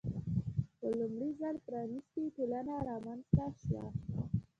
په لومړي ځل پرانیستې ټولنه رامنځته شوه.